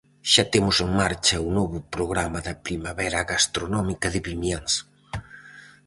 Xa temos en marcha o novo programa da primavera gastronómica de Vimianzo.